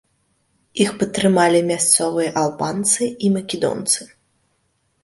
Іх падтрымалі мясцовыя албанцы і македонцы.